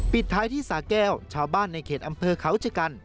ปิดท้ายที่สาแก้วชาวบ้านในเขตอำเภอเขาชะกัน